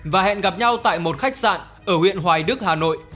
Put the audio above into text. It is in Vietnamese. và hẹn gặp nhau tại một khách sạn ở huyện hoài đức hà nội